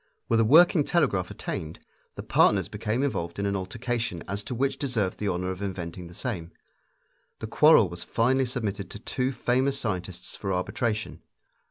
With a working telegraph attained, the partners became involved in an altercation as to which deserved the honor of inventing the same. The quarrel was finally submitted to two famous scientists for arbitration.